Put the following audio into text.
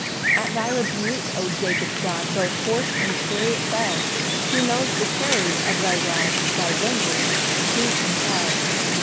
6 At thy rebuke, O Jacob's God, Both horse and chariot fell; Who knows the terrors of thy rod? Thy vengeance who can tell?